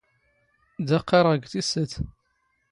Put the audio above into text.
ⴷⴰ ⵇⵇⴰⵔⵖ ⴳ ⵜⵉⵙ ⵙⴰⵜ.